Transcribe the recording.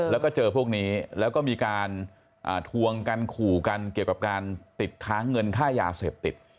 แล้วก็เจอพวกนี้แล้วก็มีการทวงกันขู่กันเกี่ยวกับการติดค้างเงินค่ายาเสพติด